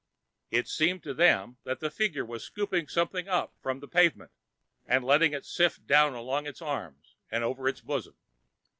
It seemed to them that the figure was scooping something up from the pavement and letting it sift down along its arms and over its bosom.